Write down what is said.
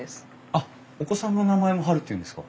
あっお子さんの名前もハルっていうんですか？